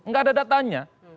enggak ada datanya